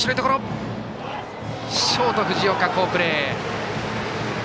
ショート、藤岡好プレー。